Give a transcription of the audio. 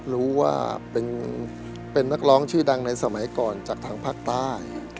รู้ว่าเป็นนักร้องชื่อดังในสมัยก่อนจากทางภาคใต้